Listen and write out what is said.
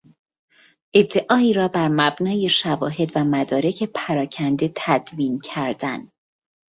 ادعایی را بر مبنای شواهد و مدارک پراکنده تدوین کردن